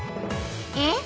えっ？